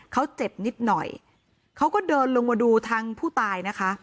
เขาเจ็บนิดหน่อยเขาก็เดินลงมาดูทางผู้ตายนะคะ